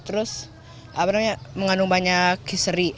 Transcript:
terus mengandung banyak history